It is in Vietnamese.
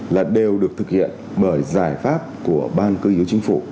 là đều được thực hiện bởi giải pháp của ban cơ yếu chính phủ